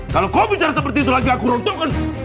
kalau kau bicara seperti itu lagi aku rontokkan